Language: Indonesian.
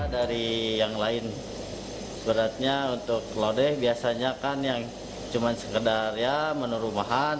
dari yang lain beratnya untuk lodeh biasanya kan yang cuma sekedar ya menu rumahan